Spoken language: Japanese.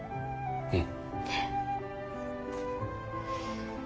うん。